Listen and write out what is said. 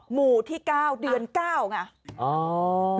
หมู่ที่๙เดือน๙ไง